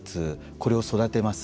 これを育てます。